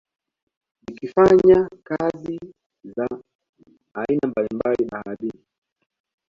Zikifanya kazi za aina mbalimbali baharini